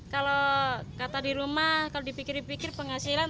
kalau kata di rumah kalau dipikir pikir penghasilan